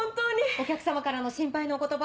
お客様からの心配のお言葉